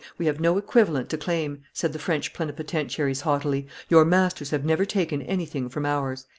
"We have no equivalent to claim," said the French plenipotentiaries haughtily; "your masters have never taken anything from ours."